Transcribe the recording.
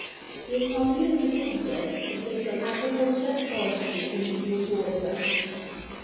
The economy of Kitakita is based on agriculture, forestry and seasonal tourism.